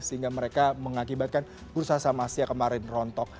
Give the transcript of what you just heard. sehingga mereka mengakibatkan bursa sam asia kemarin